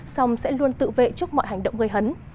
song sẽ luôn tự vệ trước mọi hành động gây hấn